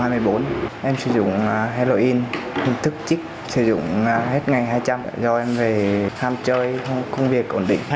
halloween hình thức chích sử dụng hết ngày hai trăm linh rồi em về tham chơi công việc ổn định